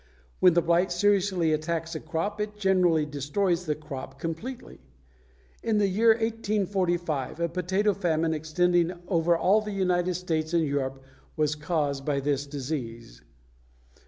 When the blight seriously attacks a crop, it generally destroys the crop completely. In the year 1845 a potato famine extending over all the United States and Europe was caused by this disease.